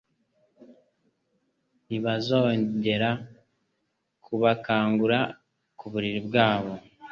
Ntibazongera kubakangura ku buriri bwabo.